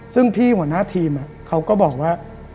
ซึ่งพี่หัวหน้าทีมเขาก็บอกว่า